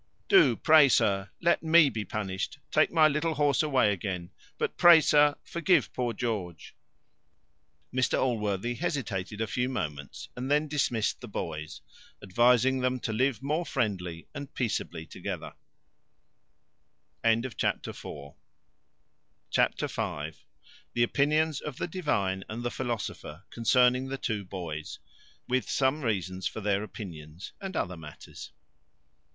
Do, pray, sir, let me be punished; take my little horse away again; but pray, sir, forgive poor George." Mr Allworthy hesitated a few moments, and then dismissed the boys, advising them to live more friendly and peaceably together. Chapter v. The opinions of the divine and the philosopher concerning the two boys; with some reasons for their opinions, and other matters.